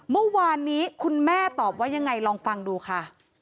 เมื่อวานนี้คุณแม่ตอบว่ายังไงลองฟังดูค่ะ